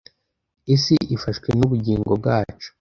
Isi ifashwe nubugingo bwacu